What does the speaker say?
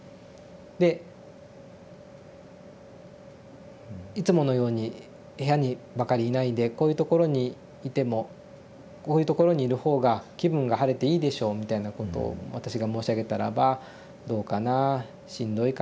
で「いつものように部屋にばかりいないでこういうところにいてもこういうところにいる方が気分が晴れていいでしょう」みたいなことを私が申し上げたらば「どうかなしんどいからね」ってこうおっしゃった。